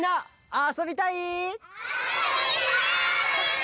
「あそびたい！」